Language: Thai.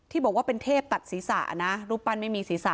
บอกว่าเป็นเทพตัดศีรษะนะรูปปั้นไม่มีศีรษะ